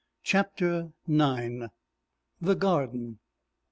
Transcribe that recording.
CHAPTER IX. THE GARDEN.